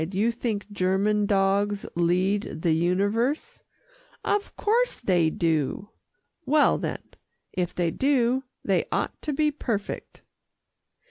"You think German dogs lead the universe." "Of course they do." "Well then, if they do, they ought to be perfect."